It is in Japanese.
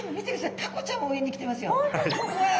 タコちゃんも上に来てますよ。